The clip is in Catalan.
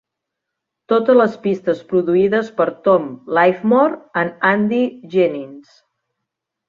Totes les pistes produïdes per Tom Livemore i Andy Jennings.